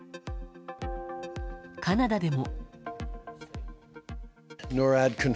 カナダでも。